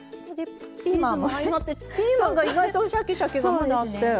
チーズも相まってピーマンが意外とシャキシャキがまだあって。